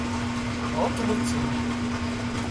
Ot, vucyni!